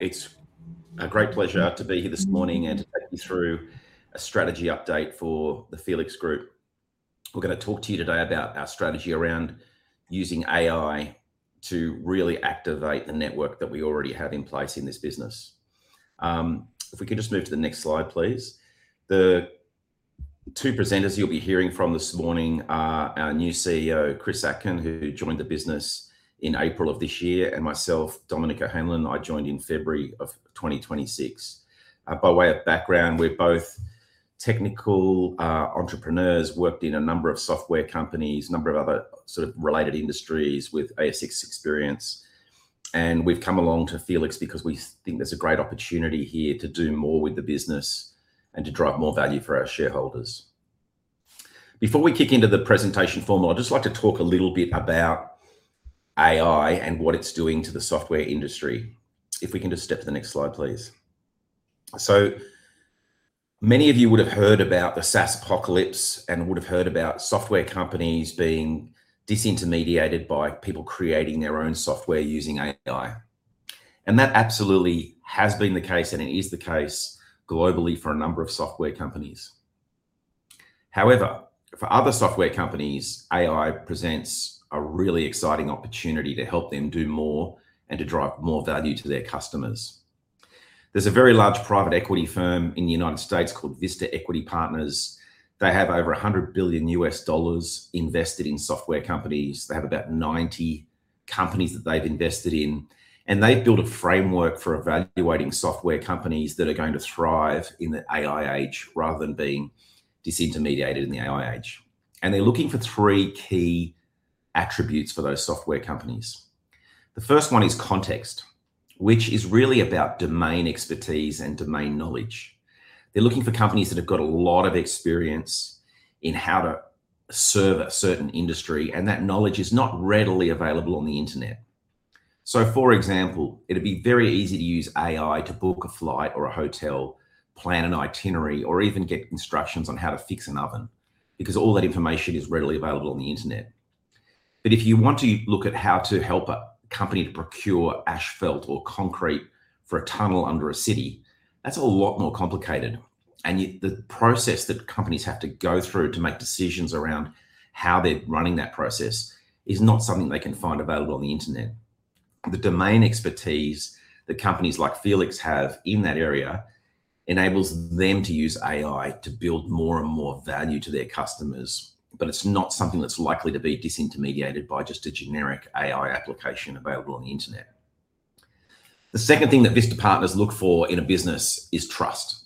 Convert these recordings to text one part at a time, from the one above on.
It's a great pleasure to be here this morning and to take you through a strategy update for the Felix Group. We're going to talk to you today about our strategy around using AI to really activate the network that we already have in place in this business. If we could just move to the next slide, please. The two presenters you'll be hearing from this morning are our new CEO, Chris Atkin, who joined the business in April of this year, and myself, Dominic O'Hanlon. I joined in February of 2026. By way of background, we're both technical entrepreneurs, worked in a number of software companies, number of other sort of related industries with ASX experience, and we've come along to Felix because we think there's a great opportunity here to do more with the business and to drive more value for our shareholders. Before we kick into the presentation formal, I'd just like to talk a little bit about AI and what it's doing to the software industry. If we can just step to the next slide, please. Many of you would've heard about the SaaSpocalypse and would've heard about software companies being disintermediated by people creating their own software using AI. That absolutely has been the case, and it is the case globally for a number of software companies. However, for other software companies, AI presents a really exciting opportunity to help them do more and to drive more value to their customers. There's a very large private equity firm in the United States called Vista Equity Partners. They have over $100 billion U.S. invested in software companies. They have about 90 companies that they've invested in, and they've built a framework for evaluating software companies that are going to thrive in the AI age rather than being disintermediated in the AI age. They're looking for three key attributes for those software companies. The first one is context, which is really about domain expertise and domain knowledge. They're looking for companies that have got a lot of experience in how to serve a certain industry, and that knowledge is not readily available on the internet. For example, it'd be very easy to use AI to book a flight or a hotel, plan an itinerary, or even get instructions on how to fix an oven, because all that information is readily available on the internet. If you want to look at how to help a company to procure asphalt or concrete for a tunnel under a city, that's a lot more complicated. The process that companies have to go through to make decisions around how they're running that process is not something they can find available on the internet. The domain expertise that companies like Felix have in that area enables them to use AI to build more and more value to their customers, but it's not something that's likely to be disintermediated by just a generic AI application available on the internet. The second thing that Vista Partners look for in a business is trust,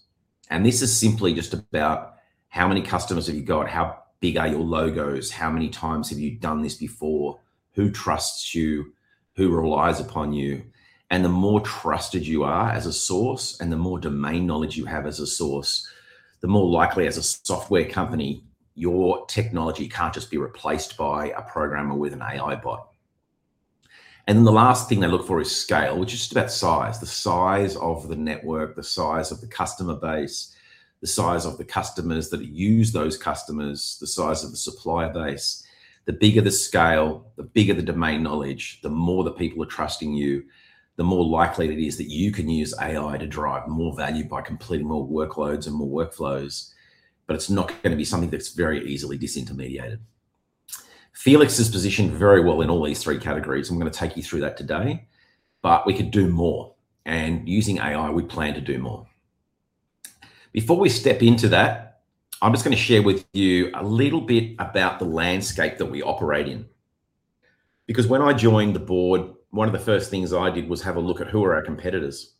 this is simply just about how many customers have you got, how big are your logos, how many times have you done this before, who trusts you, who relies upon you? The more trusted you are as a source, the more domain knowledge you have as a source, the more likely as a software company, your technology can't just be replaced by a programmer with an AI bot. The last thing they look for is scale, which is just about size, the size of the network, the size of the customer base, the size of the customers that use those customers, the size of the supplier base. The bigger the scale, the bigger the domain knowledge, the more that people are trusting you, the more likely it is that you can use AI to drive more value by completing more workloads and more workflows, but it's not going to be something that's very easily disintermediated. Felix is positioned very well in all these three categories. I'm going to take you through that today, but we could do more, and using AI, we plan to do more. Before we step into that, I'm just going to share with you a little bit about the landscape that we operate in. When I joined the board, one of the first things I did was have a look at who are our competitors,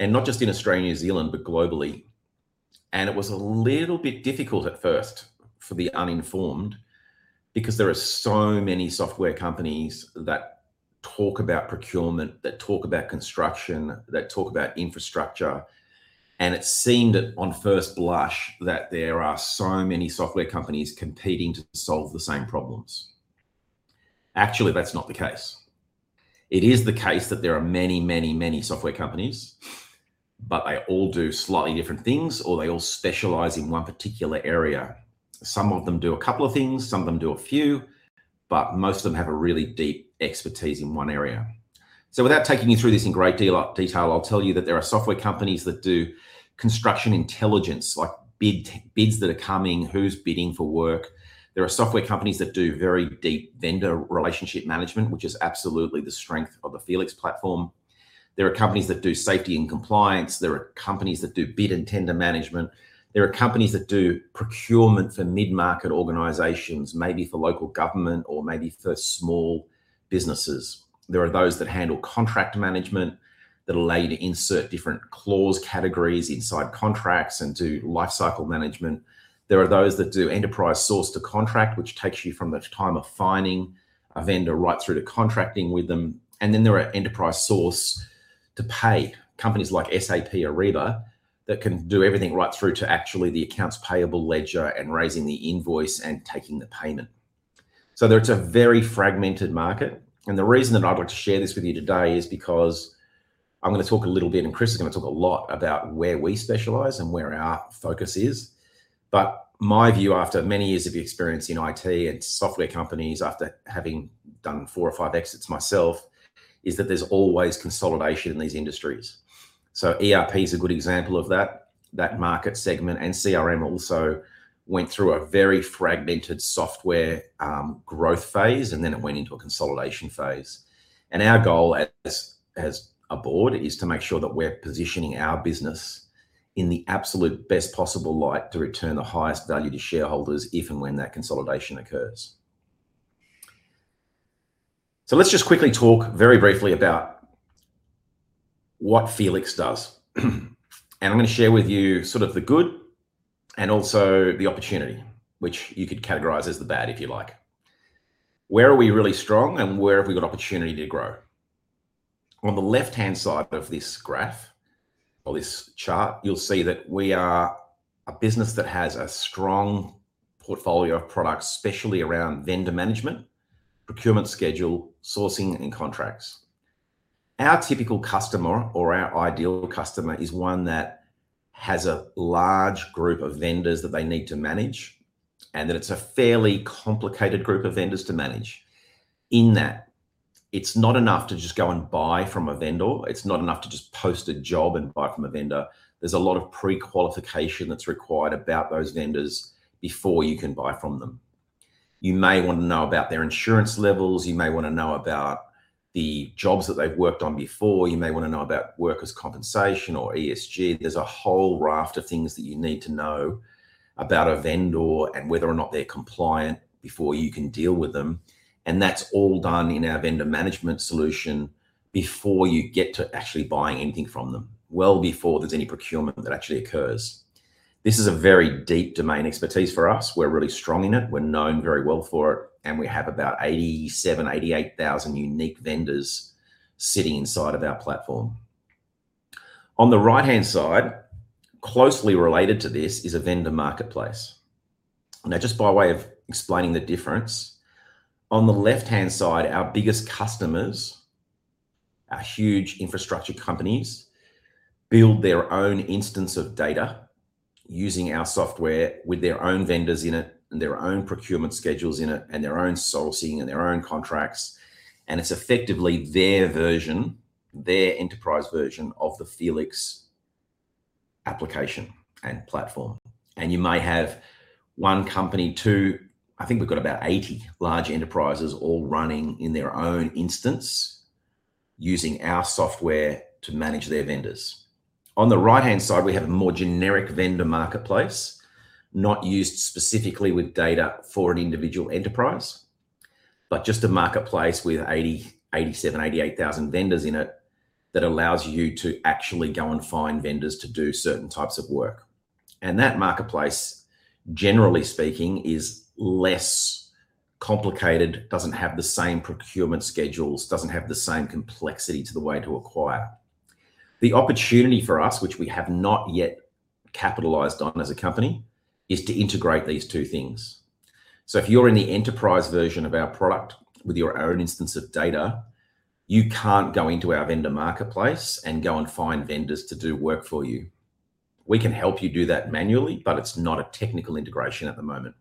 not just in Australia and New Zealand, but globally. It was a little bit difficult at first for the uninformed, because there are so many software companies that talk about procurement, that talk about construction, that talk about infrastructure, and it seemed that on first blush, that there are so many software companies competing to solve the same problems. Actually, that's not the case. It is the case that there are many software companies, but they all do slightly different things, or they all specialize in one particular area. Some of them do a couple of things, some of them do a few, but most of them have a really deep expertise in one area. Without taking you through this in great deal of detail, I'll tell you that there are software companies that do construction intelligence, like bids that are coming, who's bidding for work. There are software companies that do very deep vendor relationship management, which is absolutely the strength of the Felix platform. There are companies that do safety and compliance. There are companies that do bid and tender management. There are companies that do procurement for mid-market organizations, maybe for local government or maybe for small businesses. There are those that handle contract management that allow you to insert different clause categories inside contracts and do life cycle management. There are those that do enterprise source to contract, which takes you from the time of finding a vendor right through to contracting with them. There are enterprise source to pay, companies like SAP Ariba, that can do everything right through to actually the accounts payable ledger and raising the invoice and taking the payment. It's a very fragmented market, and the reason that I'd like to share this with you today is because I'm going to talk a little bit, and Chris is going to talk a lot about where we specialize and where our focus is. My view after many years of experience in IT and software companies, after having done four or five exits myself, is that there's always consolidation in these industries. ERP is a good example of that. That market segment and CRM also went through a very fragmented software growth phase, then it went into a consolidation phase. Our goal as a board is to make sure that we're positioning our business in the absolute best possible light to return the highest value to shareholders if and when that consolidation occurs. Let's just quickly talk very briefly about what Felix does. I'm going to share with you sort of the good and also the opportunity, which you could categorize as the bad, if you like. Where are we really strong, and where have we got opportunity to grow? On the left-hand side of this graph or this chart, you'll see that we are a business that has a strong portfolio of products, especially around vendor management, procurement schedule, sourcing, and contracts. Our typical customer or our ideal customer is one that has a large group of vendors that they need to manage, and that it's a fairly complicated group of vendors to manage in that it's not enough to just go and buy from a vendor. It's not enough to just post a job and buy from a vendor. There's a lot of prequalification that's required about those vendors before you can buy from them. You may want to know about their insurance levels. You may want to know about the jobs that they've worked on before. You may want to know about workers' compensation or ESG. There's a whole raft of things that you need to know about a vendor and whether or not they're compliant before you can deal with them, and that's all done in our vendor management solution before you get to actually buying anything from them, well before there's any procurement that actually occurs. This is a very deep domain expertise for us. We're really strong in it. We're known very well for it, and we have about 87,000, 88,000 unique vendors sitting inside of our platform. On the right-hand side, closely related to this is a vendor marketplace. Just by way of explaining the difference, on the left-hand side, our biggest customers are huge infrastructure companies, build their own instance of data using our software with their own vendors in it, their own procurement schedules in it, their own sourcing and their own contracts, and it's effectively their version, their enterprise version of the Felix application and platform. You may have one company, two. I think we've got about 80 large enterprises all running in their own instance using our software to manage their vendors. On the right-hand side, we have a more generic vendor marketplace, not used specifically with data for an individual enterprise, but just a marketplace with 87,000, 88,000 vendors in it that allows you to actually go and find vendors to do certain types of work. That marketplace, generally speaking, is less complicated, doesn't have the same procurement schedules, doesn't have the same complexity to the way to acquire. The opportunity for us, which we have not yet capitalized on as a company, is to integrate these two things. If you're in the enterprise version of our product with your own instance of data, you can't go into our vendor marketplace and go and find vendors to do work for you. We can help you do that manually, but it's not a technical integration at the moment.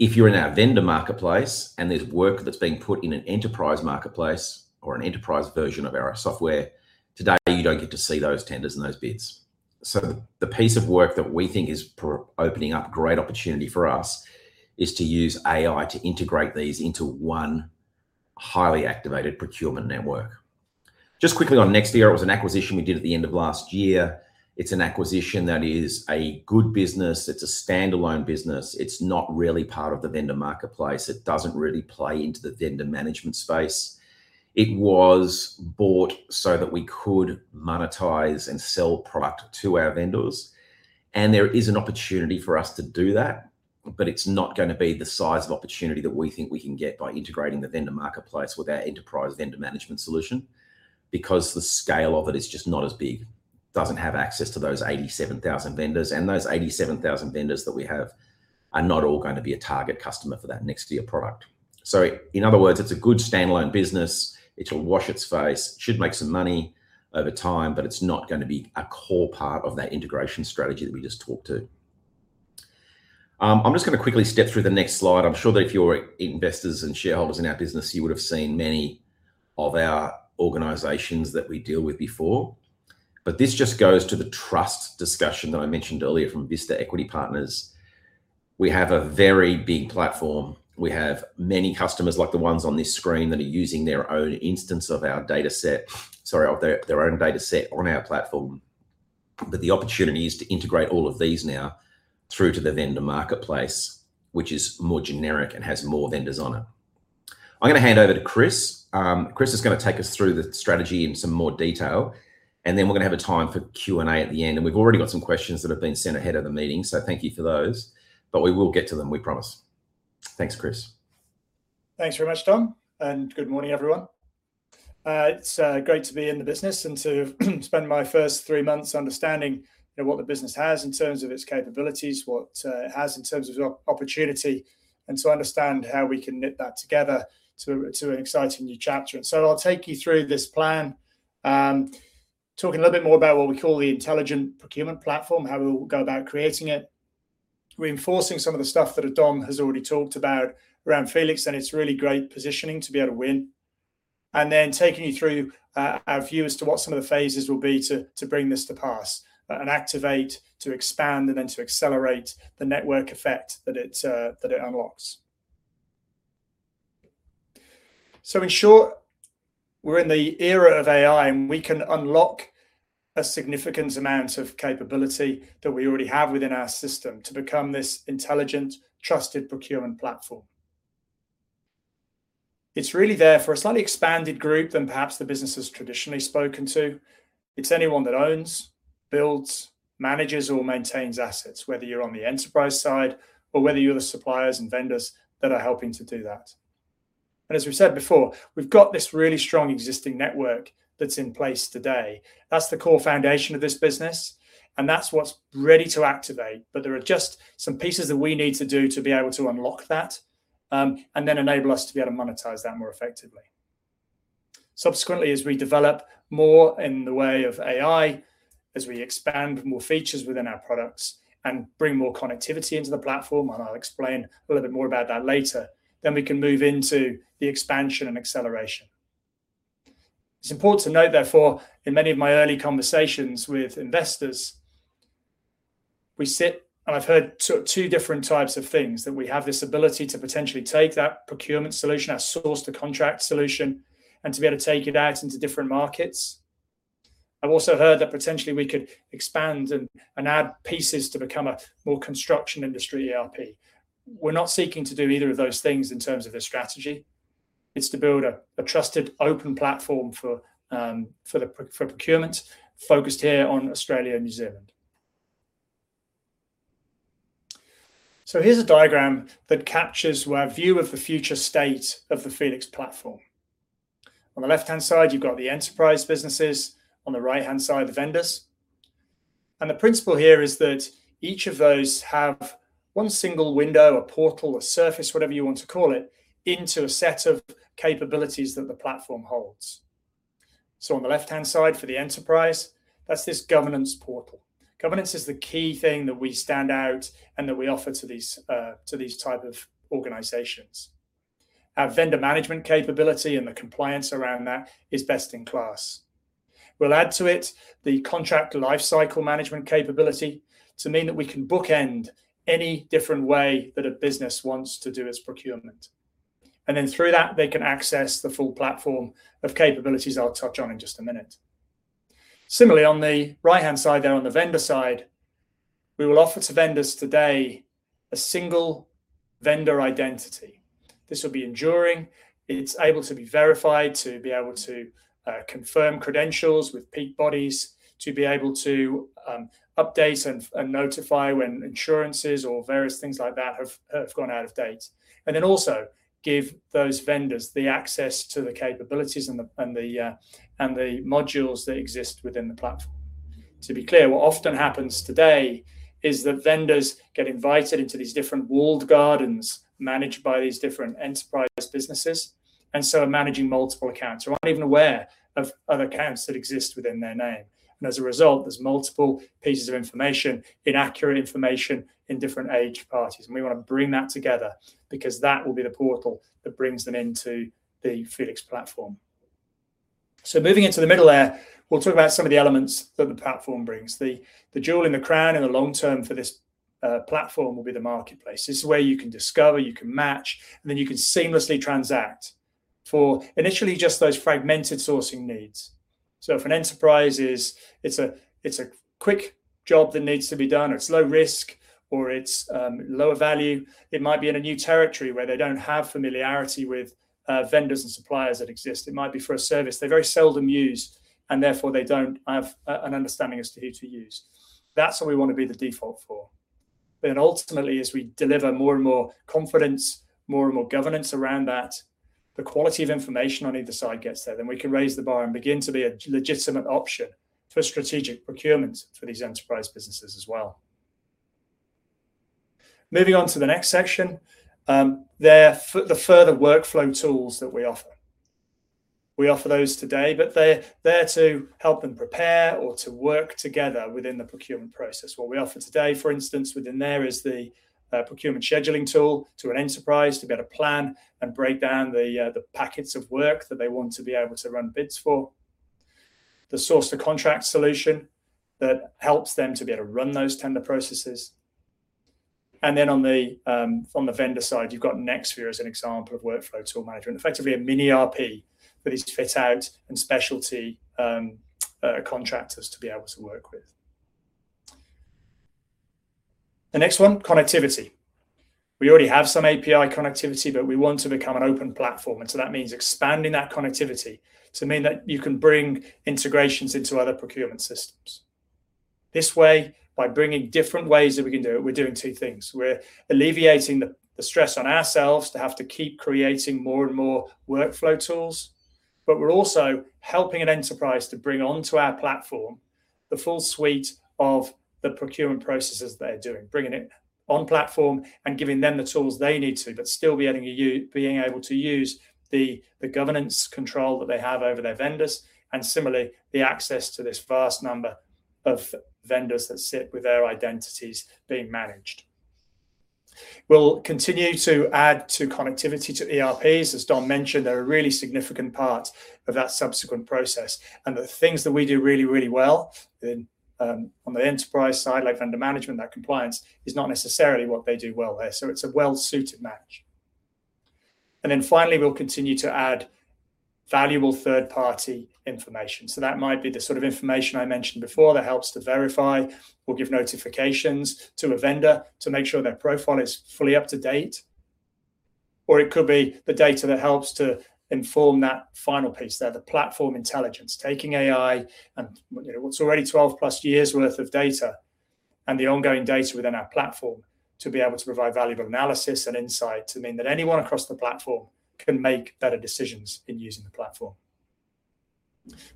If you're in our vendor marketplace and there's work that's being put in an enterprise marketplace or an enterprise version of our software, today you don't get to see those tenders and those bids. The piece of work that we think is opening up great opportunity for us is to use AI to integrate these into one highly activated procurement network. Just quickly on Nexvia, it was an acquisition we did at the end of last year. It's an acquisition that is a good business. It's a standalone business. It's not really part of the vendor marketplace. It doesn't really play into the vendor management space. It was bought that we could monetize and sell product to our vendors, and there is an opportunity for us to do that, but it's not going to be the size of opportunity that we think we can get by integrating the vendor marketplace with our enterprise vendor management solution because the scale of it is just not as big. Doesn't have access to those 87,000 vendors, and those 87,000 vendors that we have are not all going to be a target customer for that Nexvia product. In other words, it's a good standalone business. It'll wash its face, should make some money over time, but it's not going to be a core part of that integration strategy that we just talked to. I'm just going to quickly step through the next slide. I'm sure that if you're investors and shareholders in our business, you would have seen many of our organizations that we deal with before. This just goes to the trust discussion that I mentioned earlier from Vista Equity Partners. We have a very big platform. We have many customers like the ones on this screen that are using their own data set on our platform. The opportunity is to integrate all of these now through to the vendor marketplace, which is more generic and has more vendors on it. I'm going to hand over to Chris. Chris is going to take us through the strategy in some more detail, and then we're going to have a time for Q&A at the end. We've already got some questions that have been sent ahead of the meeting, thank you for those. We will get to them, we promise. Thanks, Chris. Thanks very much, Dom, and good morning, everyone. It's great to be in the business and to spend my first three months understanding what the business has in terms of its capabilities, what it has in terms of opportunity, and to understand how we can knit that together to an exciting new chapter. I'll take you through this plan. Talking a little bit more about what we call the intelligent procurement platform, how we will go about creating it, reinforcing some of the stuff that Dom has already talked about around Felix and its really great positioning to be able to win, taking you through our view as to what some of the phases will be to bring this to pass and activate, to expand, and to accelerate the network effect that it unlocks. In short, we're in the era of AI, and we can unlock a significant amount of capability that we already have within our system to become this intelligent, trusted procurement platform. It's really there for a slightly expanded group than perhaps the business has traditionally spoken to. It's anyone that owns, builds, manages, or maintains assets, whether you're on the enterprise side or whether you're the suppliers and vendors that are helping to do that. As we said before, we've got this really strong existing network that's in place today. That's the core foundation of this business, and that's what's ready to activate. There are just some pieces that we need to do to be able to unlock that, and enable us to be able to monetize that more effectively. Subsequently, as we develop more in the way of AI, as we expand more features within our products and bring more connectivity into the platform, I'll explain a little bit more about that later, we can move into the expansion and acceleration. It's important to note, therefore, in many of my early conversations with investors, we sit and I've heard 2 different types of things, that we have this ability to potentially take that procurement solution, our source to contract solution, and to be able to take it out into different markets. I've also heard that potentially we could expand and add pieces to become a more construction industry ERP. We're not seeking to do either of those things in terms of a strategy. It's to build a trusted, open platform for procurement, focused here on Australia and New Zealand. Here's a diagram that captures our view of the future state of the Felix platform. On the left-hand side, you've got the enterprise businesses, on the right-hand side, the vendors. The principle here is that each of those have one single window, a portal, a surface, whatever you want to call it, into a set of capabilities that the platform holds. On the left-hand side, for the enterprise, that's this governance portal. Governance is the key thing that we stand out and that we offer to these type of organizations. Our vendor management capability and the compliance around that is best in class. We'll add to it the contract lifecycle management capability to mean that we can bookend any different way that a business wants to do its procurement. Through that, they can access the full platform of capabilities I'll touch on in just a minute. Similarly, on the right-hand side there, on the vendor side, we will offer to vendors today a single vendor identity. This will be enduring. It's able to be verified to be able to confirm credentials with peak bodies, to be able to update and notify when insurances or various things like that have gone out of date. Also give those vendors the access to the capabilities and the modules that exist within the platform. To be clear, what often happens today is that vendors get invited into these different walled gardens managed by these different enterprise businesses. Are managing multiple accounts or aren't even aware of other accounts that exist within their name. As a result, there's multiple pieces of information, inaccurate information in different age parties. We want to bring that together because that will be the portal that brings them into the Felix platform. Moving into the middle there, we'll talk about some of the elements that the platform brings. The jewel in the crown in the long term for this platform will be the marketplace. This is where you can discover, you can match, you can seamlessly transact for initially just those fragmented sourcing needs. For an enterprise, it's a quick job that needs to be done, or it's low risk, or it's lower value. It might be in a new territory where they don't have familiarity with vendors and suppliers that exist. It might be for a service they very seldom use and therefore they don't have an understanding as to who to use. That's what we want to be the default for. Ultimately, as we deliver more and more confidence, more and more governance around that, the quality of information on either side gets there, we can raise the bar and begin to be a legitimate option for strategic procurement for these enterprise businesses as well. Moving on to the next section, the further workflow tools that we offer. We offer those today, but they're there to help and prepare or to work together within the procurement process. What we offer today, for instance, within there is the procurement scheduling tool to an enterprise to be able to plan and break down the packets of work that they want to be able to run bids for. The source to contract solution that helps them to be able to run those tender processes. On the vendor side, you've got Nexvia as an example of workflow tool management, effectively a mini ERP for these fit out and specialty contractors to be able to work with. The next one, connectivity. We already have some API connectivity, but we want to become an open platform. That means expanding that connectivity to mean that you can bring integrations into other procurement systems. This way, by bringing different ways that we can do it, we're doing two things. We're alleviating the stress on ourselves to have to keep creating more and more workflow tools. We're also helping an enterprise to bring onto our platform the full suite of the procurement processes they're doing, bringing it on platform and giving them the tools they need to, still being able to use the governance control that they have over their vendors and similarly, the access to this vast number of vendors that sit with their identities being managed. We'll continue to add to connectivity to ERPs. As Dom mentioned, they're a really significant part of that subsequent process, and the things that we do really, really well on the enterprise side, like vendor management, that compliance is not necessarily what they do well there. It's a well-suited match. Finally, we'll continue to add valuable third-party information. That might be the sort of information I mentioned before that helps to verify or give notifications to a vendor to make sure their profile is fully up to date. It could be the data that helps to inform that final piece there, the platform intelligence. Taking AI and what's already 12+ years worth of data and the ongoing data within our platform to be able to provide valuable analysis and insight to mean that anyone across the platform can make better decisions in using the platform.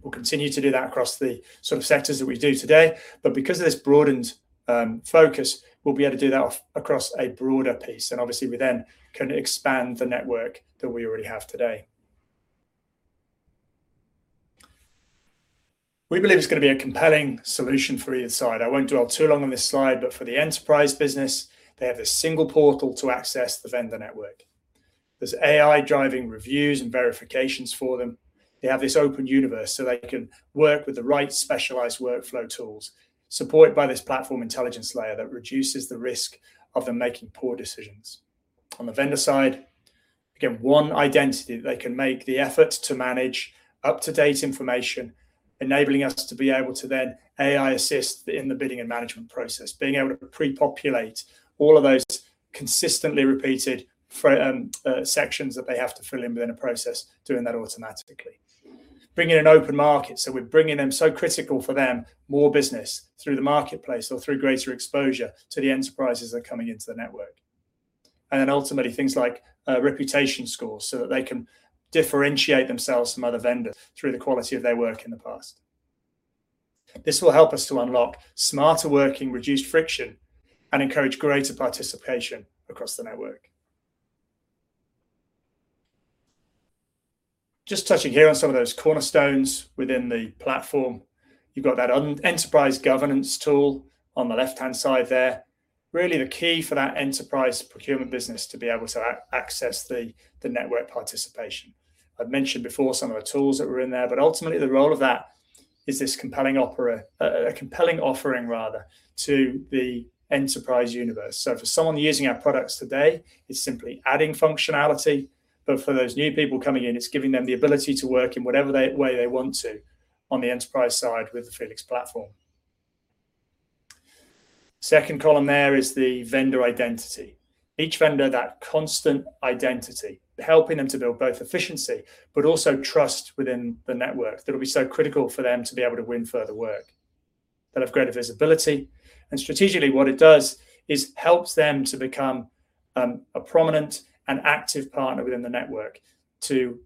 We'll continue to do that across the sort of sectors that we do today. Because of this broadened focus, we'll be able to do that across a broader piece. Obviously we then can expand the network that we already have today. We believe it's going to be a compelling solution for either side. I won't dwell too long on this slide. For the enterprise business, they have a single portal to access the vendor network. There's AI driving reviews and verifications for them. They have this open universe. They can work with the right specialized workflow tools, supported by this platform intelligence layer that reduces the risk of them making poor decisions. On the vendor side, again, one identity that they can make the effort to manage up-to-date information, enabling us to be able to then AI assist in the bidding and management process, being able to pre-populate all of those consistently repeated sections that they have to fill in within a process, doing that automatically. Bringing an open market, we're bringing them, so critical for them, more business through the marketplace or through greater exposure to the enterprises that are coming into the network. Ultimately, things like reputation scores that they can differentiate themselves from other vendors through the quality of their work in the past. This will help us to unlock smarter working, reduced friction, and encourage greater participation across the network. Just touching here on some of those cornerstones within the platform. You've got that enterprise governance tool on the left-hand side there. Really the key for that enterprise procurement business to be able to access the network participation. I've mentioned before some of the tools that were in there. Ultimately the role of that is this compelling offering to the enterprise universe. For someone using our products today, it's simply adding functionality. For those new people coming in, it's giving them the ability to work in whatever way they want to on the enterprise side with the Felix platform. Second column there is the vendor identity. Each vendor, that constant identity, helping them to build both efficiency, but also trust within the network that'll be so critical for them to be able to win further work. They'll have greater visibility. Strategically what it does is helps them to become a prominent and active partner within the network to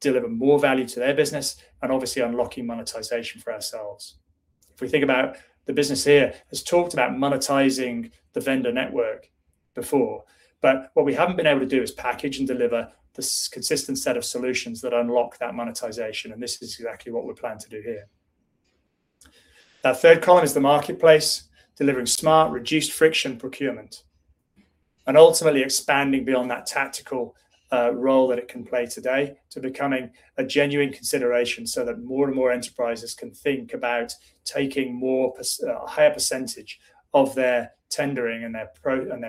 deliver more value to their business and obviously unlocking monetization for ourselves. If we think about the business here, we have talked about monetizing the vendor network before, but what we haven't been able to do is package and deliver the consistent set of solutions that unlock that monetization. This is exactly what we plan to do here. That third column is the marketplace, delivering smart, reduced friction procurement, and ultimately expanding beyond that tactical role that it can play today to becoming a genuine consideration so that more and more enterprises can think about taking a higher percentage of their tendering and their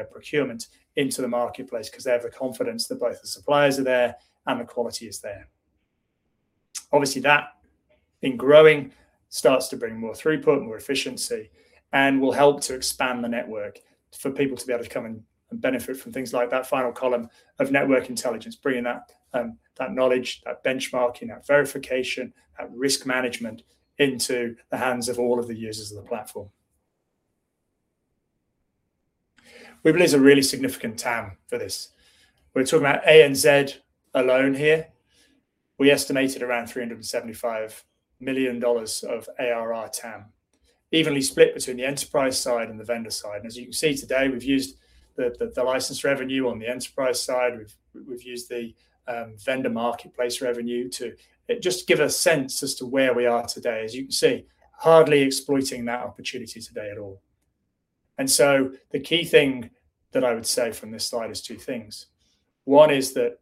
procurement into the marketplace because they have the confidence that both the suppliers are there and the quality is there. Obviously, that, in growing, starts to bring more throughput, more efficiency, and will help to expand the network for people to be able to come and benefit from things like that final column of network intelligence, bringing that knowledge, that benchmarking, that verification, that risk management into the hands of all of the users of the platform. We believe there's a really significant TAM for this. We're talking about ANZ alone here. We estimated around 375 million dollars of ARR TAM evenly split between the enterprise side and the vendor side. As you can see today, we've used the license revenue on the enterprise side. We've used the vendor marketplace revenue to just give a sense as to where we are today. As you can see, hardly exploiting that opportunity today at all. The key thing that I would say from this slide is two things. One is that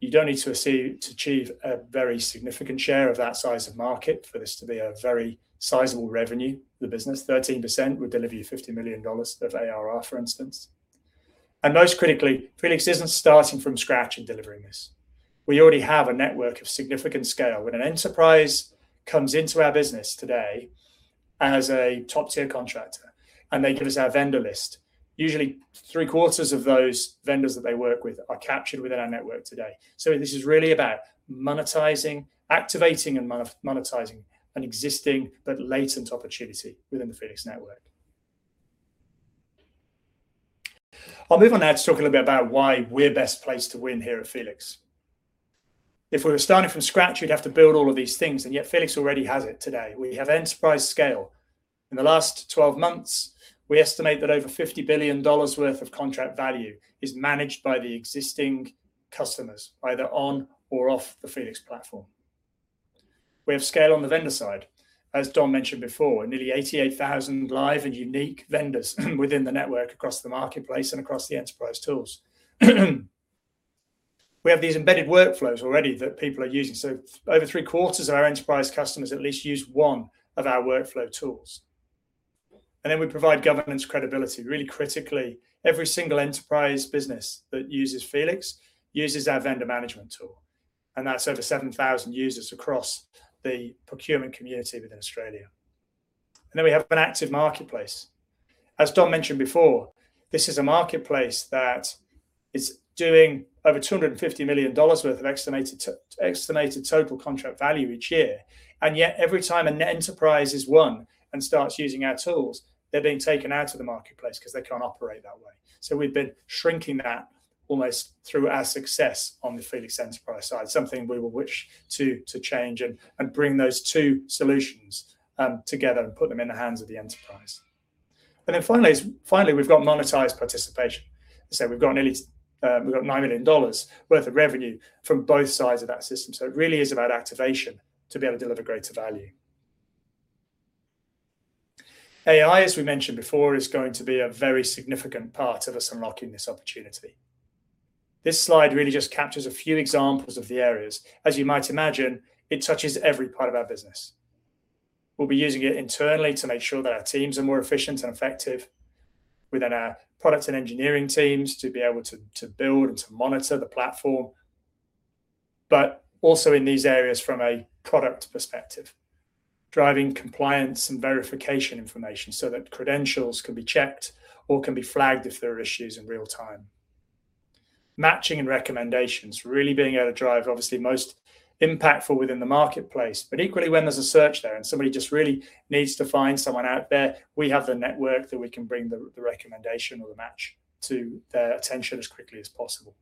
you don't need to achieve a very significant share of that size of market for this to be a very sizable revenue. The business, 13% would deliver you 50 million dollars of ARR, for instance. Most critically, Felix isn't starting from scratch in delivering this. We already have a network of significant scale. When an enterprise comes into our business today as a top-tier contractor, and they give us our vendor list, usually three-quarters of those vendors that they work with are captured within our network today. This is really about activating and monetizing an existing but latent opportunity within the Felix network. I'll move on now to talk a little bit about why we're best placed to win here at Felix. If we were starting from scratch, we'd have to build all of these things, and yet Felix already has it today. We have enterprise scale. In the last 12 months, we estimate that over 50 billion dollars worth of contract value is managed by the existing customers, either on or off the Felix platform. We have scale on the vendor side. As Dom mentioned before, nearly 88,000 live and unique vendors within the network, across the marketplace, and across the enterprise tools. We have these embedded workflows already that people are using. Over three-quarters of our enterprise customers at least use one of our workflow tools. We provide governance credibility, really critically. Every single enterprise business that uses Felix uses our vendor management tool, and that's over 7,000 users across the procurement community within Australia. We have an active marketplace. As Dom mentioned before, this is a marketplace that is doing over 250 million dollars worth of estimated total contract value each year, yet every time a net enterprise is won and starts using our tools, they're being taken out of the marketplace because they can't operate that way. We've been shrinking that almost through our success on the Felix Enterprise side, something we will wish to change and bring those two solutions together and put them in the hands of the enterprise. Finally, we've got monetized participation. As I said, we've got nearly 9 million dollars worth of revenue from both sides of that system, so it really is about activation to be able to deliver greater value. AI, as we mentioned before, is going to be a very significant part of us unlocking this opportunity. This slide really just captures a few examples of the areas. As you might imagine, it touches every part of our business. We'll be using it internally to make sure that our teams are more efficient and effective within our product and engineering teams to be able to build and to monitor the platform, but also in these areas from a product perspective, driving compliance and verification information so that credentials can be checked or can be flagged if there are issues in real time. Matching and recommendations, really being able to drive, obviously most impactful within the marketplace, but equally, when there's a search there and somebody just really needs to find someone out there, we have the network that we can bring the recommendation or the match to their attention as quickly as possible.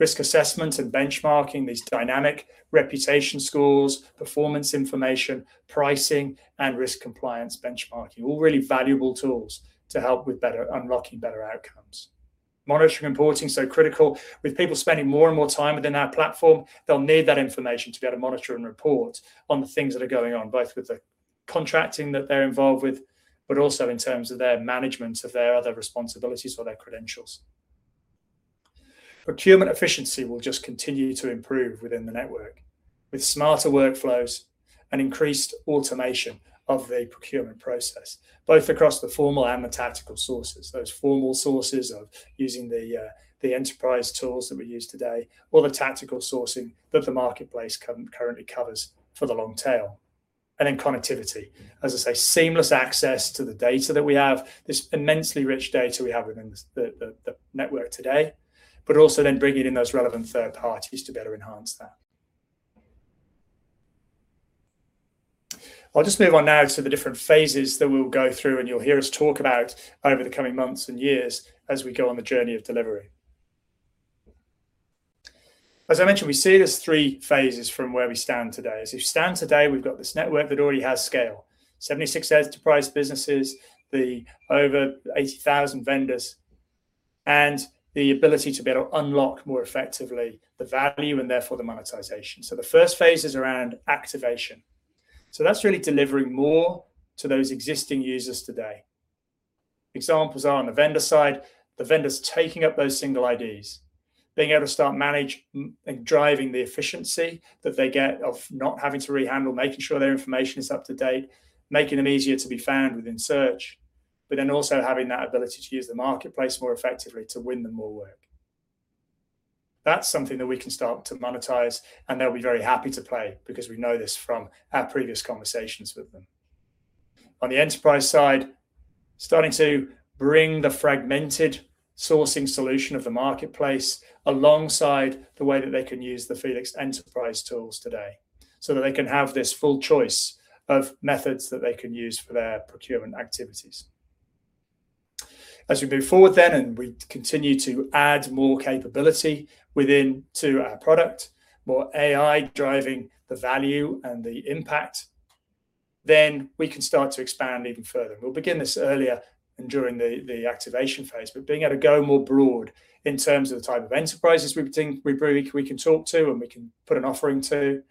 Risk assessment and benchmarking, these dynamic reputation scores, performance information, pricing, and risk compliance benchmarking, all really valuable tools to help with unlocking better outcomes. Monitoring and reporting, so critical. With people spending more and more time within our platform, they'll need that information to be able to monitor and report on the things that are going on, both with the contracting that they're involved with, but also in terms of their management of their other responsibilities or their credentials. Procurement efficiency will just continue to improve within the network. With smarter workflows and increased automation of the procurement process, both across the formal and the tactical sources, those formal sources of using the enterprise tools that we use today, or the tactical sourcing that the marketplace currently covers for the long tail. Connectivity. As I say, seamless access to the data that we have, this immensely rich data we have within the network today, but also then bringing in those relevant third parties to better enhance that. I'll just move on now to the different phases that we'll go through, and you'll hear us talk about over the coming months and years as we go on the journey of delivery. As I mentioned, we see there's three phases from where we stand today. As we stand today, we've got this network that already has scale, 76 enterprise businesses, the over 80,000 vendors, and the ability to be able to unlock more effectively the value and therefore the monetization. The first phase is around activation. That's really delivering more to those existing users today. Examples are on the vendor side, the vendors taking up those single IDs, being able to start, manage, and driving the efficiency that they get of not having to rehandle, making sure their information is up to date, making them easier to be found within search, also having that ability to use the marketplace more effectively to win them more work. That's something that we can start to monetize, they'll be very happy to play because we know this from our previous conversations with them. On the enterprise side, starting to bring the fragmented sourcing solution of the marketplace alongside the way that they can use the Felix Enterprise tools today so that they can have this full choice of methods that they can use for their procurement activities. As we move forward, we continue to add more capability within to our product, more AI driving the value and the impact, we can start to expand even further. We'll begin this earlier and during the activation phase, being able to go more broad in terms of the type of enterprises we can talk to and we can put an offering to,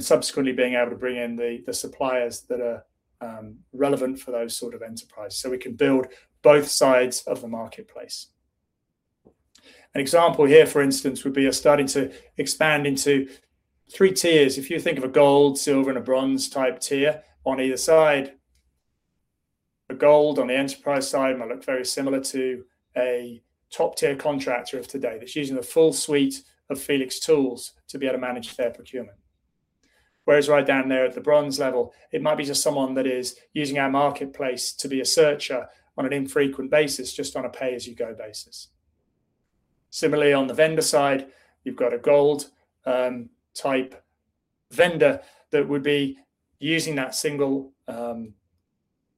subsequently being able to bring in the suppliers that are relevant for those sort of enterprises, so we can build both sides of the marketplace. An example here, for instance, would be us starting to expand into three tiers. If you think of a gold, silver, and a bronze type tier on either side, a gold on the enterprise side might look very similar to a top-tier contractor of today that's using the full suite of Felix tools to be able to manage their procurement. Whereas right down there at the bronze level, it might be just someone that is using our marketplace to be a searcher on an infrequent basis, just on a pay-as-you-go basis. Similarly, on the vendor side, you've got a gold type vendor that would be using that single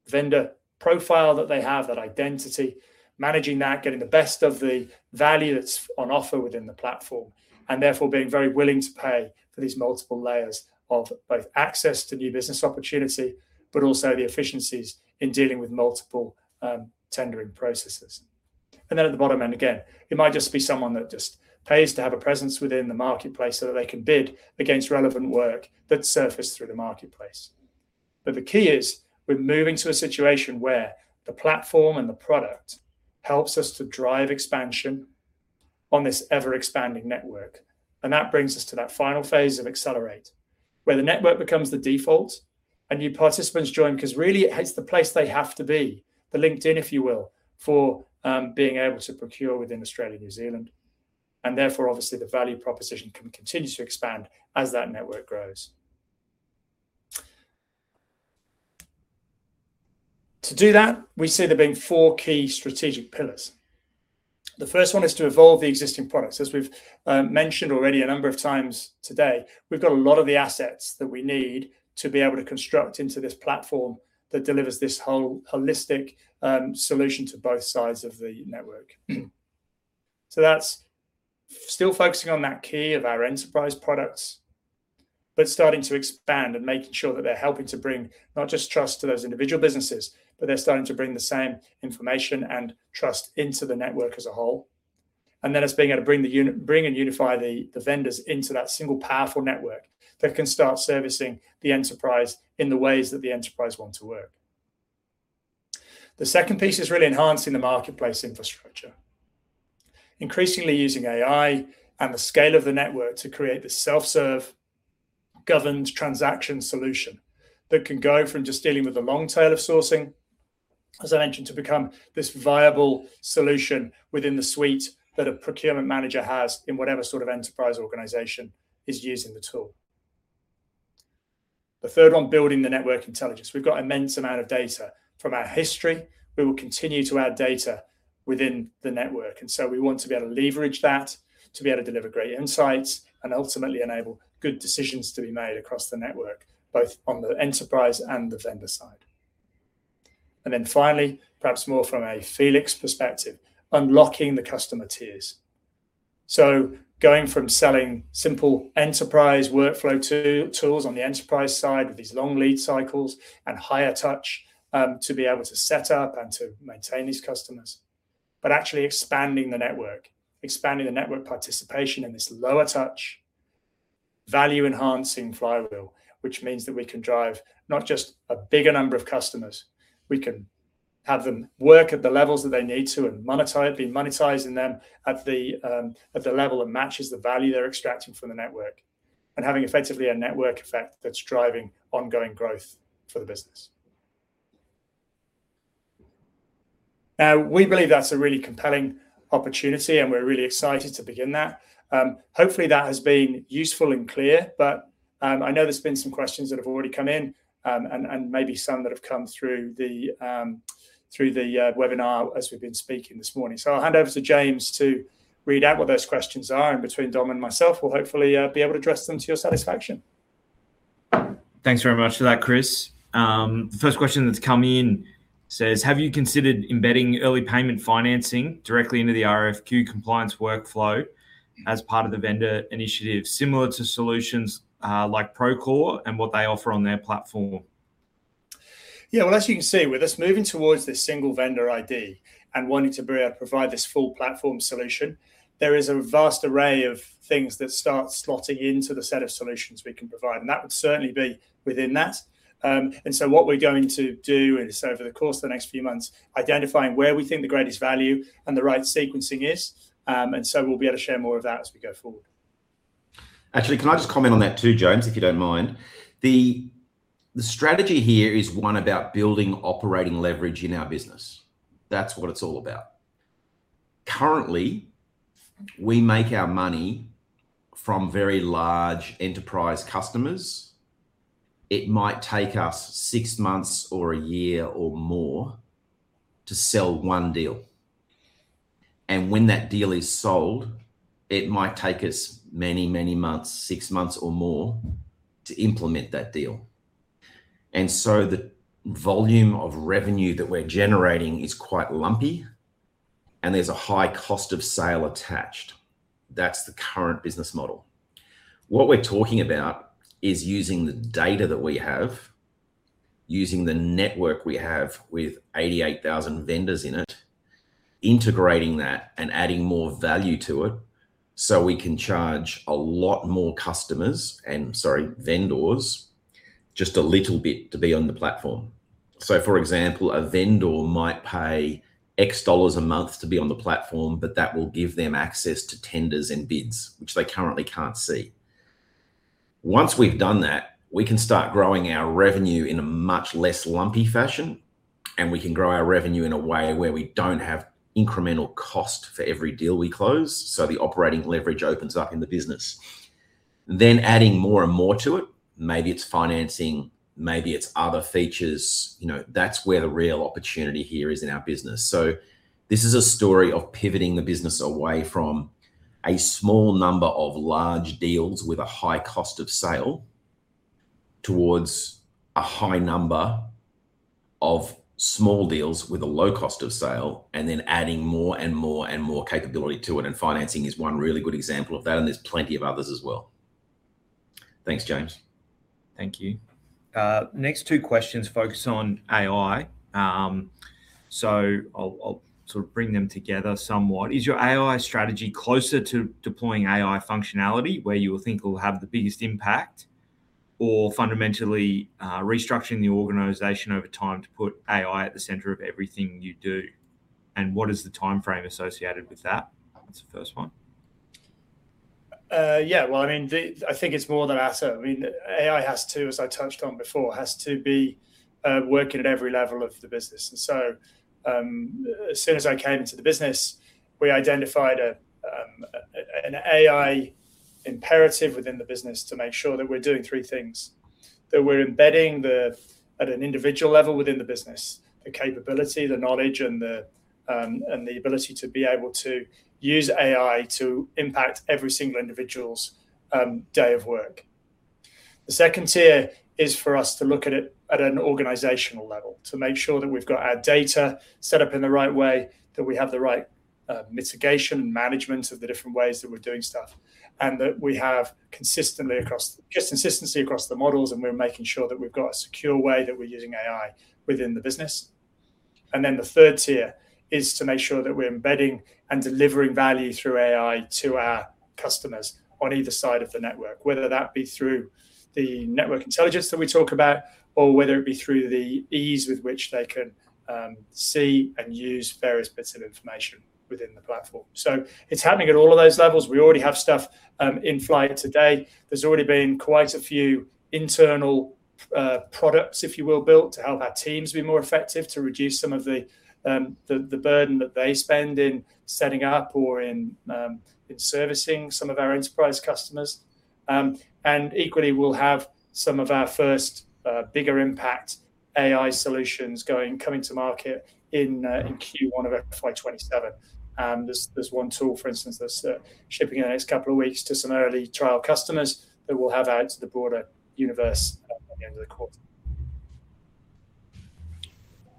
vendor profile that they have, that identity, managing that, getting the best of the value that's on offer within the platform, being very willing to pay for these multiple layers of both access to new business opportunity, the efficiencies in dealing with multiple tendering processes. At the bottom end, again, it might just be someone that just pays to have a presence within the marketplace so that they can bid against relevant work that's surfaced through the marketplace. The key is we're moving to a situation where the platform and the product helps us to drive expansion on this ever-expanding network. That brings us to that final phase of accelerate, where the network becomes the default and new participants join because really it's the place they have to be, the LinkedIn, if you will, for being able to procure within Australia, New Zealand, and therefore obviously the value proposition can continue to expand as that network grows. To do that, we see there being four key strategic pillars. The first one is to evolve the existing products. As we've mentioned already a number of times today, we've got a lot of the assets that we need to be able to construct into this platform that delivers this whole holistic solution to both sides of the network. That's still focusing on that key of our enterprise products, but starting to expand and making sure that they're helping to bring not just trust to those individual businesses, but they're starting to bring the same information and trust into the network as a whole. Us being able to bring and unify the vendors into that single powerful network that can start servicing the enterprise in the ways that the enterprise wants to work. The second piece is really enhancing the marketplace infrastructure, increasingly using AI and the scale of the network to create this self-serve, governed transaction solution that can go from just dealing with the long tail of sourcing, as I mentioned, to become this viable solution within the suite that a procurement manager has in whatever sort of enterprise organization is using the tool. The third on building the network intelligence. We've got immense amount of data from our history. We will continue to add data within the network, and so we want to be able to leverage that to be able to deliver great insights and ultimately enable good decisions to be made across the network, both on the enterprise and the vendor side. Finally, perhaps more from a Felix perspective, unlocking the customer tiers. Going from selling simple enterprise workflow tools on the enterprise side with these long lead cycles and higher touch, to be able to set up and to maintain these customers, but actually expanding the network. Expanding the network participation in this lower touch, value enhancing flywheel, which means that we can drive not just a bigger number of customers, we can have them work at the levels that they need to and be monetizing them at the level that matches the value they're extracting from the network and having effectively a network effect that's driving ongoing growth for the business. Now, we believe that's a really compelling opportunity, and we're really excited to begin that. Hopefully, that has been useful and clear, I know there's been some questions that have already come in, and maybe some that have come through the webinar as we've been speaking this morning. I'll hand over to James to read out what those questions are, and between Dom and myself, we'll hopefully be able to address them to your satisfaction. Thanks very much for that, Chris. The first question that's come in says, "Have you considered embedding early payment financing directly into the RFQ compliance workflow as part of the vendor initiative, similar to solutions like Procore and what they offer on their platform? Yeah. Well, as you can see, with us moving towards this single vendor ID and wanting to be able to provide this full platform solution, there is a vast array of things that start slotting into the set of solutions we can provide, and that would certainly be within that. What we're going to do is, over the course of the next few months, identifying where we think the greatest value and the right sequencing is. We'll be able to share more of that as we go forward. Actually, can I just comment on that too, James, if you don't mind? The strategy here is one about building operating leverage in our business. That's what it's all about. Currently, we make our money from very large enterprise customers. It might take us six months or a year or more to sell one deal. When that deal is sold, it might take us many months, six months or more to implement that deal. The volume of revenue that we're generating is quite lumpy, and there's a high cost of sale attached. That's the current business model. What we're talking about is using the data that we have, using the network we have with 88,000 vendors in it, integrating that and adding more value to it so we can charge a lot more customers, and sorry, vendors, just a little bit to be on the platform. For example, a vendor might pay X dollars a month to be on the platform, that will give them access to tenders and bids, which they currently can't see. Once we've done that, we can start growing our revenue in a much less lumpy fashion, we can grow our revenue in a way where we don't have incremental cost for every deal we close, the operating leverage opens up in the business. Adding more and more to it. Maybe it's financing, maybe it's other features. That's where the real opportunity here is in our business. This is a story of pivoting the business away from a small number of large deals with a high cost of sale, towards a high number of small deals with a low cost of sale, and then adding more and more and more capability to it. Financing is one really good example of that, there's plenty of others as well. Thanks, James. Thank you. Next two questions focus on AI, I'll bring them together somewhat. Is your AI strategy closer to deploying AI functionality where you think will have the biggest impact or fundamentally restructuring the organization over time to put AI at the center of everything you do? What is the timeframe associated with that? That's the first one. Yeah. Well, I think it's more than asset. AI, as I touched on before, has to be working at every level of the business. As soon as I came into the business, we identified an AI imperative within the business to make sure that we're doing three things. That we're embedding at an individual level within the business, the capability, the knowledge, and the ability to be able to use AI to impact every single individual's day of work. The second tier is for us to look at it at an organizational level, to make sure that we've got our data set up in the right way, that we have the right mitigation management of the different ways that we're doing stuff, that we have just consistency across the models, we're making sure that we've got a secure way that we're using AI within the business. The third tier is to make sure that we are embedding and delivering value through AI to our customers on either side of the network, whether that be through the network intelligence that we talk about or whether it be through the ease with which they can see and use various bits of information within the platform. It is happening at all of those levels. We already have stuff in flight today. There has already been quite a few internal products, if you will, built to help our teams be more effective, to reduce some of the burden that they spend in setting up or in servicing some of our enterprise customers. Equally, we will have some of our first bigger impact AI solutions coming to market in Q1 of FY 2027. There is one tool, for instance, that is shipping in the next couple of weeks to some early trial customers that we will have out to the broader universe at the end of the quarter.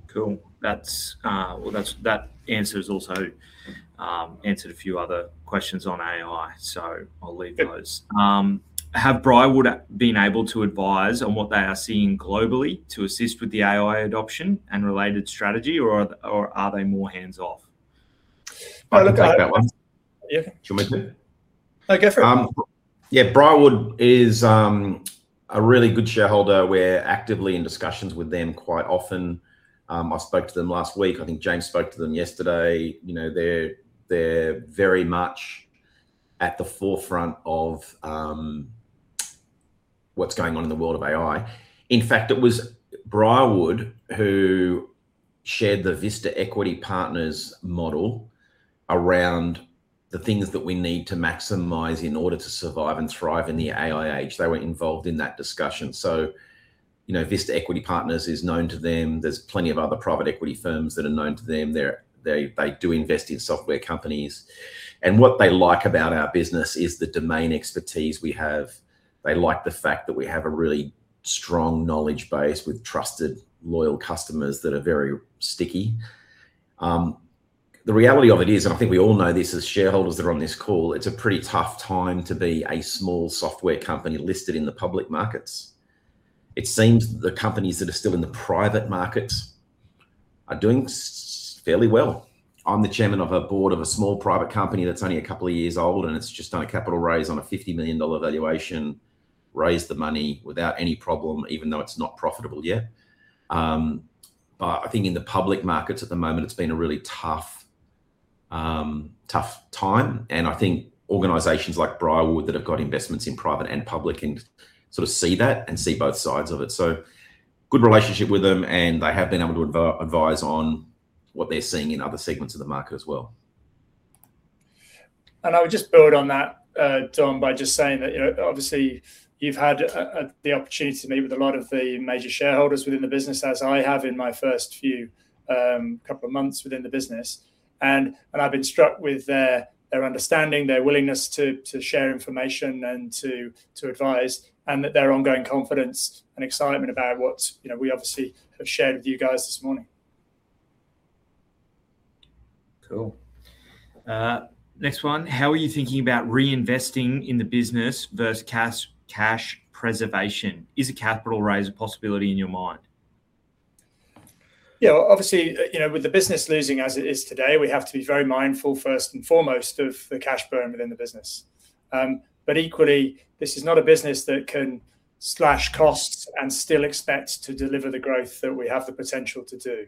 Cool. That answer has also answered a few other questions on AI, so I will leave those. Yep. Have Briarwood been able to advise on what they are seeing globally to assist with the AI adoption and related strategy, or are they more hands-off? I can take that one. Yeah. Do you want me to? No, go for it. Yeah. Briarwood is a really good shareholder. We're actively in discussions with them quite often. I spoke to them last week. I think James spoke to them yesterday. They're very much at the forefront of what's going on in the world of AI. In fact, it was Briarwood who shared the Vista Equity Partners model around the things that we need to maximize in order to survive and thrive in the AI age. They were involved in that discussion. Vista Equity Partners is known to them. There's plenty of other private equity firms that are known to them. They do invest in software companies, and what they like about our business is the domain expertise we have. They like the fact that we have a really strong knowledge base with trusted, loyal customers that are very sticky. The reality of it is, I think we all know this as shareholders that are on this call, it's a pretty tough time to be a small software company listed in the public markets. It seems the companies that are still in the private markets are doing fairly well. I'm the chairman of a board of a small private company that's only a couple of years old, and it's just done a capital raise on a 50 million dollar valuation, raised the money without any problem, even though it's not profitable yet. I think in the public markets at the moment, it's been a really tough time, and I think organizations like Briarwood that have got investments in private and public can see that and see both sides of it. Good relationship with them, they have been able to advise on what they're seeing in other segments of the market as well. I would just build on that, Dom, by just saying that obviously you've had the opportunity to meet with a lot of the major shareholders within the business, as I have in my first few couple of months within the business. I've been struck with their understanding, their willingness to share information and to advise, and their ongoing confidence and excitement about what we obviously have shared with you guys this morning. Cool. Next one. How are you thinking about reinvesting in the business versus cash preservation? Is a capital raise a possibility in your mind? Yeah. Obviously, with the business losing as it is today, we have to be very mindful, first and foremost, of the cash burn within the business. Equally, this is not a business that can slash costs and still expect to deliver the growth that we have the potential to do.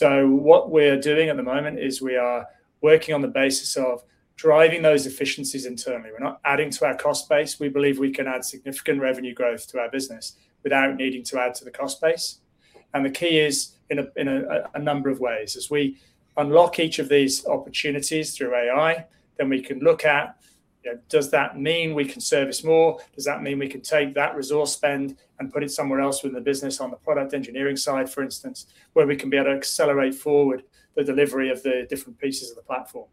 What we're doing at the moment is we are working on the basis of driving those efficiencies internally. We're not adding to our cost base. We believe we can add significant revenue growth to our business without needing to add to the cost base. The key is in a number of ways, as we unlock each of these opportunities through AI, then we can look at, does that mean we can service more? Does that mean we can take that resource spend and put it somewhere else within the business, on the product engineering side, for instance, where we can be able to accelerate forward the delivery of the different pieces of the platform?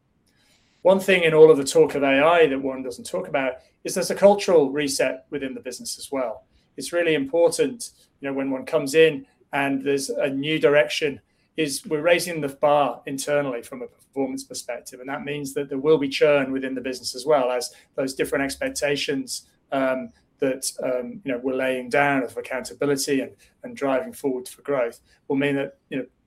One thing in all of the talk of AI that one doesn't talk about is there's a cultural reset within the business as well. It's really important when one comes in and there's a new direction, is we're raising the bar internally from a performance perspective. That means that there will be churn within the business as well as those different expectations that we're laying down of accountability and driving forward for growth will mean that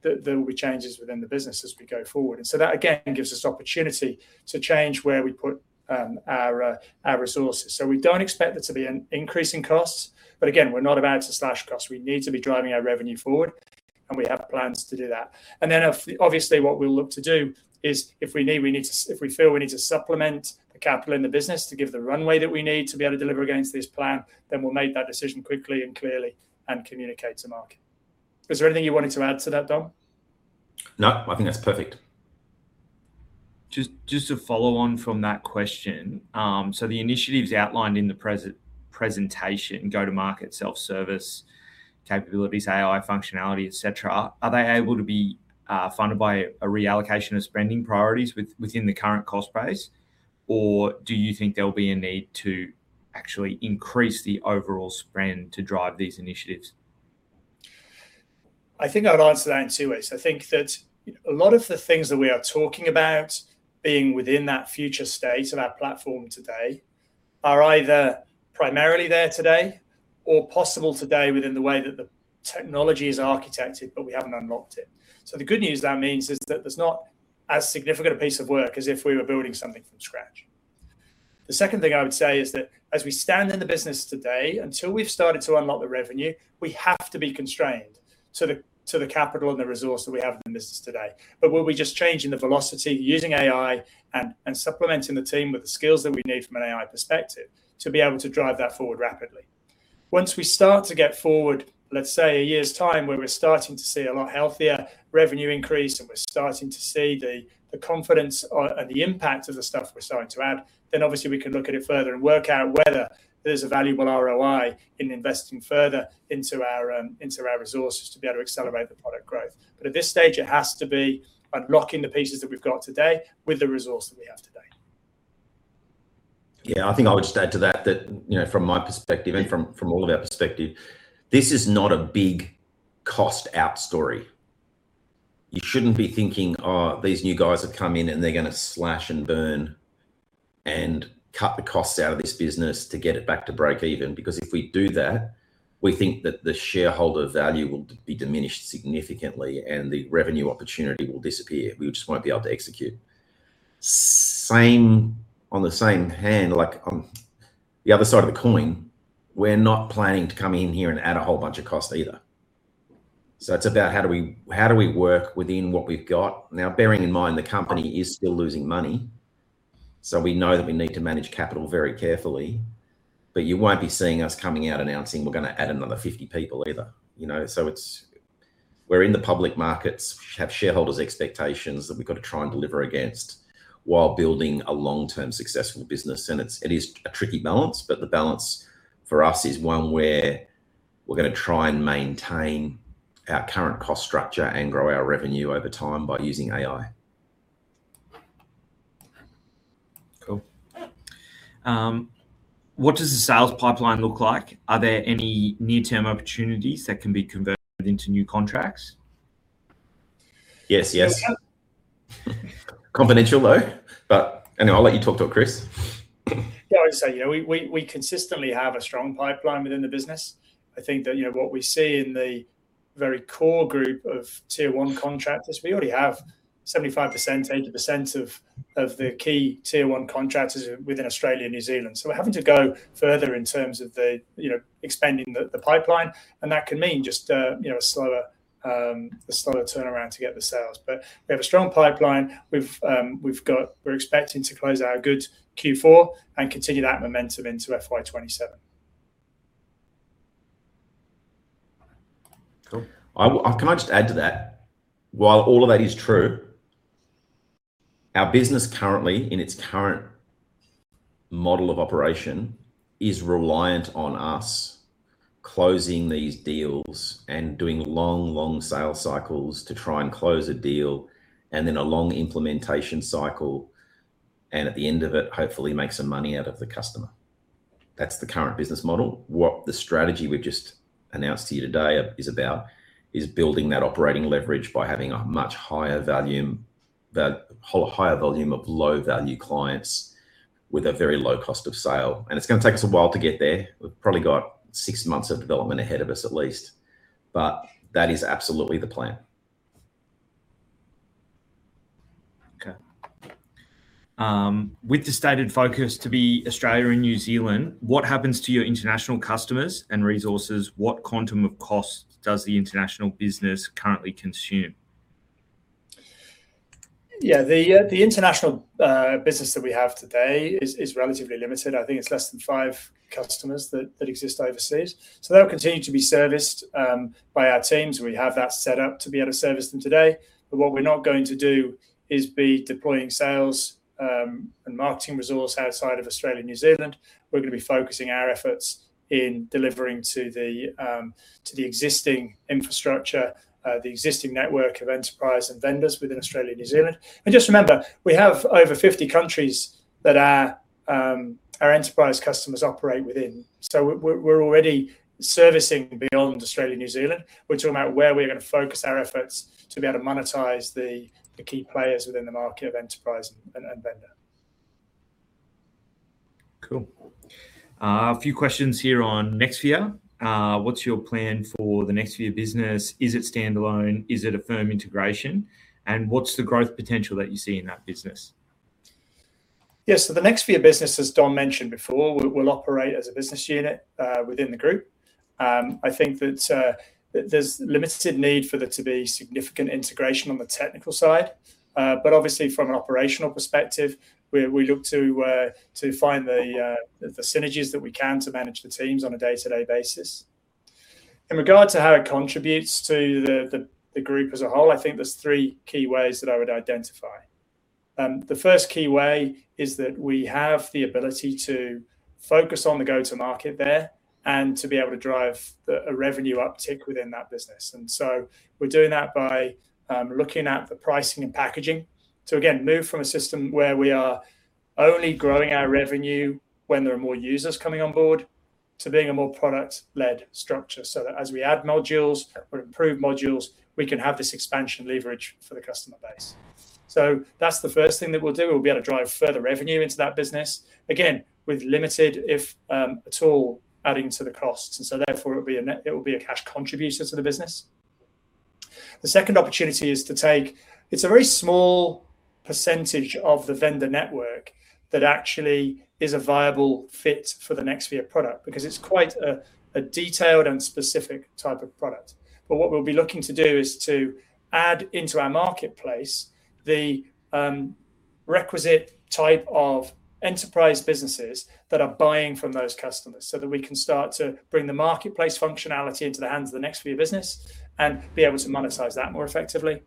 there will be changes within the business as we go forward. That, again, gives us opportunity to change where we put our resources. We don't expect there to be an increase in costs, but again, we're not about to slash costs. We need to be driving our revenue forward, and we have plans to do that. Obviously what we'll look to do is if we feel we need to supplement the capital in the business to give the runway that we need to be able to deliver against this plan, then we'll make that decision quickly and clearly and communicate to market. Is there anything you wanted to add to that, Dom? No, I think that's perfect. Just to follow on from that question. The initiatives outlined in the presentation, go-to-market self-service capabilities, AI functionality, et cetera, are they able to be funded by a reallocation of spending priorities within the current cost base? Or do you think there'll be a need to actually increase the overall spend to drive these initiatives? I think I would answer that in two ways. I think that a lot of the things that we are talking about being within that future state of our platform today are either primarily there today or possible today within the way that the technology is architected, but we haven't unlocked it. The good news there means is that there's not as significant a piece of work as if we were building something from scratch. The second thing I would say is that as we stand in the business today, until we've started to unlock the revenue, we have to be constrained to the capital and the resource that we have in the business today. We'll be just changing the velocity using AI and supplementing the team with the skills that we need from an AI perspective to be able to drive that forward rapidly. Once we start to get forward, let's say a year's time, where we're starting to see a lot healthier revenue increase and we're starting to see the confidence or the impact of the stuff we're starting to add, obviously we can look at it further and work out whether there's a valuable ROI in investing further into our resources to be able to accelerate the product growth. At this stage, it has to be unlocking the pieces that we've got today with the resource that we have today. Yeah, I think I would just add to that from my perspective and from all of our perspective, this is not a big cost-out story. You shouldn't be thinking, "Oh, these new guys have come in and they're going to slash and burn and cut the costs out of this business to get it back to breakeven." If we do that, we think that the shareholder value will be diminished significantly and the revenue opportunity will disappear. We just won't be able to execute. On the same hand, like on the other side of the coin, we're not planning to come in here and add a whole bunch of cost either. It's about how do we work within what we've got. Bearing in mind the company is still losing money, so we know that we need to manage capital very carefully, but you won't be seeing us coming out announcing we're going to add another 50 people either. We're in the public markets, have shareholders' expectations that we've got to try and deliver against while building a long-term successful business. It is a tricky balance, but the balance for us is one where we're going to try and maintain our current cost structure and grow our revenue over time by using AI. Cool. What does the sales pipeline look like? Are there any near-term opportunities that can be converted into new contracts? Yes. Confidential, though. Anyway, I'll let you talk to it, Chris. I'd say, we consistently have a strong pipeline within the business. I think that what we see in the very core group of Tier 1 contractors, we already have 75%, 80% of the key Tier 1 contractors within Australia and New Zealand. We're having to go further in terms of expanding the pipeline, and that can mean just a slower turnaround to get the sales. We have a strong pipeline. We're expecting to close our good Q4 and continue that momentum into FY 2027. Cool. Can I just add to that? While all of that is true, our business currently, in its current model of operation, is reliant on us closing these deals and doing long, long sales cycles to try and close a deal, and then a long implementation cycle, and at the end of it, hopefully make some money out of the customer. That's the current business model. What the strategy we've just announced to you today is about is building that operating leverage by having a much higher volume of low-value clients with a very low cost of sale. It's going to take us a while to get there. We've probably got six months of development ahead of us at least. That is absolutely the plan. Okay. With the stated focus to be Australia and New Zealand, what happens to your international customers and resources? What quantum of cost does the international business currently consume? Yeah. The international business that we have today is relatively limited. I think it's less than five customers that exist overseas. They'll continue to be serviced by our teams. We have that set up to be able to service them today. What we're not going to do is be deploying sales and marketing resource outside of Australia and New Zealand, we're going to be focusing our efforts in delivering to the existing infrastructure, the existing network of enterprise and vendors within Australia and New Zealand. Just remember, we have over 50 countries that our enterprise customers operate within. We're already servicing beyond Australia and New Zealand. We're talking about where we're going to focus our efforts to be able to monetize the key players within the market of enterprise and vendor. Cool. A few questions here on Nexvia. What's your plan for the Nexvia business? Is it standalone? Is it a firm integration? What's the growth potential that you see in that business? Yeah. The Nexvia business, as Dom mentioned before, will operate as a business unit within the group. I think that there is limited need for there to be significant integration on the technical side. Obviously, from an operational perspective, we look to find the synergies that we can to manage the teams on a day-to-day basis. In regard to how it contributes to the group as a whole, I think there is three key ways that I would identify. The first key way is that we have the ability to focus on the go-to-market there and to be able to drive a revenue uptick within that business. We are doing that by looking at the pricing and packaging. Again, move from a system where we are only growing our revenue when there are more users coming on board to being a more product-led structure, so that as we add modules or improve modules, we can have this expansion leverage for the customer base. That is the first thing that we will do. We will be able to drive further revenue into that business, again, with limited, if at all, adding to the costs, therefore, it will be a cash contributor to the business. The second opportunity is to take, it is a very small percentage of the vendor network that actually is a viable fit for the Nexvia product because it is quite a detailed and specific type of product. What we will be looking to do is to add into our marketplace the requisite type of enterprise businesses that are buying from those customers, so that we can start to bring the marketplace functionality into the hands of the Nexvia business and be able to monetize that more effectively.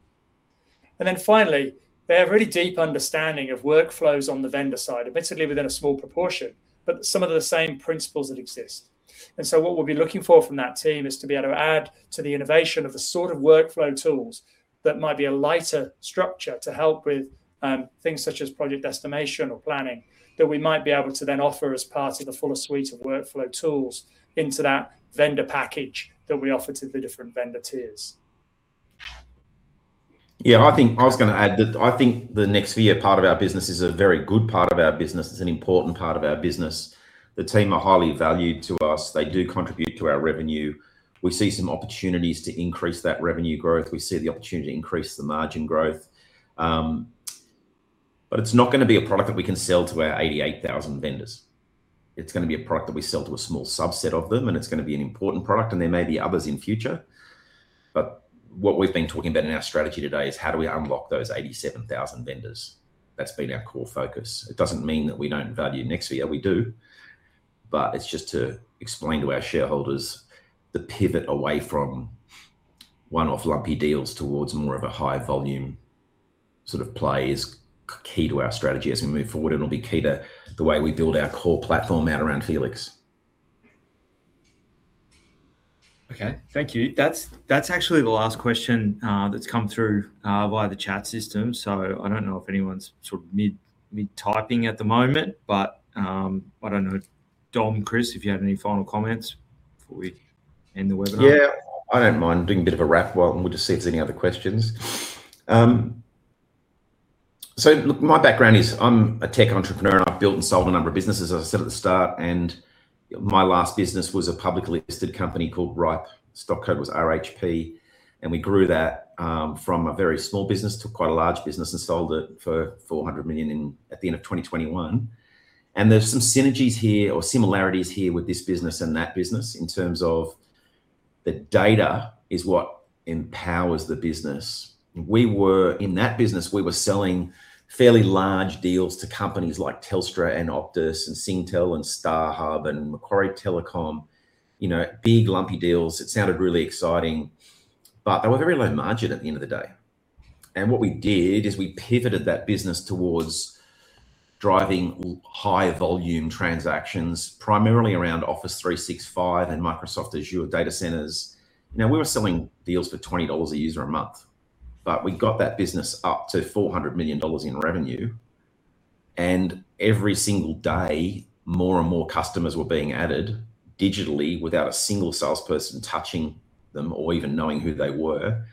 Finally, they have really deep understanding of workflows on the vendor side, admittedly within a small proportion, but some of the same principles that exist. What we will be looking for from that team is to be able to add to the innovation of the sort of workflow tools that might be a lighter structure to help with things such as project estimation or planning, that we might be able to then offer as part of the fuller suite of workflow tools into that vendor package that we offer to the different vendor tiers. Yeah, I was going to add that I think the Nexvia part of our business is a very good part of our business. It is an important part of our business. The team are highly valued to us. They do contribute to our revenue. We see some opportunities to increase that revenue growth. We see the opportunity to increase the margin growth. It is not going to be a product that we can sell to our 88,000 vendors. It's gonna be a product that we sell to a small subset of them, and it is going to be an important product, and there may be others in future. What we have been talking about in our strategy today is how do we unlock those 87,000 vendors? That has been our core focus. It does not mean that we do not value Nexvia, we do. It's just to explain to our shareholders the pivot away from one-off lumpy deals towards more of a high volume sort of play is key to our strategy as we move forward, and it'll be key to the way we build our core platform out around Felix. Okay. Thank you. That's actually the last question that's come through via the chat system. I don't know if anyone's sort of mid-typing at the moment, but I don't know, Dom, Chris, if you have any final comments before we end the webinar? Yeah. I don't mind doing a bit of a wrap-up, and we'll just see if there's any other questions. Look, my background is I'm a tech entrepreneur, and I've built and sold a number of businesses, as I said at the start, and my last business was a publicly listed company called Rhipe. Stock code was RHP. We grew that from a very small business to quite a large business and sold it for 400 million at the end of 2021. There's some synergies here or similarities here with this business and that business in terms of the data is what empowers the business. In that business, we were selling fairly large deals to companies like Telstra and Optus and Singtel and StarHub and Macquarie Telecom. Big lumpy deals. It sounded really exciting, but they were very low margin at the end of the day. What we did is we pivoted that business towards driving high volume transactions, primarily around Office 365 and Microsoft Azure data centers. We were selling deals for 20 dollars a user a month, but we got that business up to 400 million dollars in revenue. Every single day, more and more customers were being added digitally without a single salesperson touching them or even knowing who they were.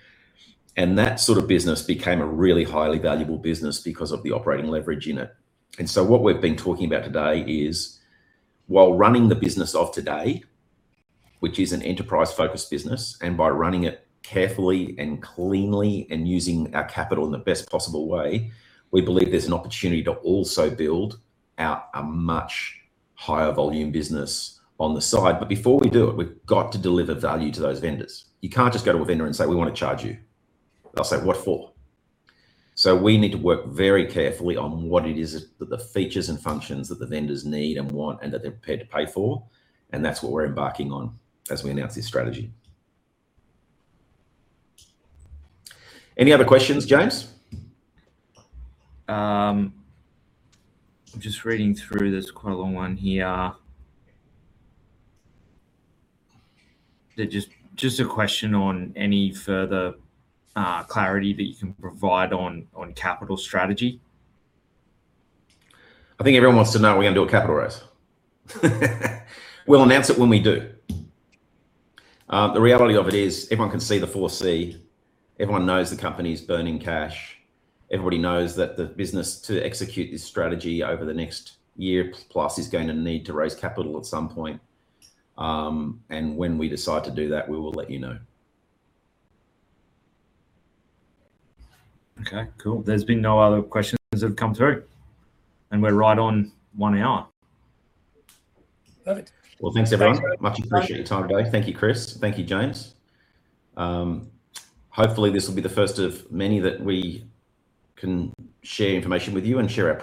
That sort of business became a really highly valuable business because of the operating leverage in it. What we've been talking about today is while running the business of today, which is an enterprise-focused business, and by running it carefully and cleanly and using our capital in the best possible way, we believe there's an opportunity to also build out a much higher volume business on the side. Before we do it, we've got to deliver value to those vendors. You can't just go to a vendor and say, "We want to charge you." They'll say, "What for?" We need to work very carefully on what it is that the features and functions that the vendors need and want and that they're prepared to pay for, and that's what we're embarking on as we announce this strategy. Any other questions, James? I'm just reading through. There's quite a long one here. Just a question on any further clarity that you can provide on capital strategy. I think everyone wants to know are we going to do a capital raise? We'll announce it when we do. The reality of it is everyone can see the 4C. Everyone knows the company's burning cash. Everybody knows that the business to execute this strategy over the next year plus is going to need to raise capital at some point. When we decide to do that, we will let you know. Okay, cool. There's been no other questions that have come through, and we're right on one hour. Perfect. Well, thanks everyone. Much appreciate your time today. Thank you, Chris. Thank you, James. Hopefully, this will be the first of many that we can share information with you and share our.